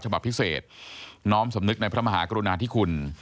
ฉบับพิเศษน้อมสำนึกในพระมหากรุณาธิคุณ